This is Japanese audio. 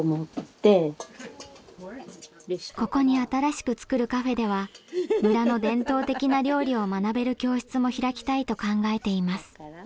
ここに新しく作るカフェでは村の伝統的な料理を学べる教室も開きたいと考えています。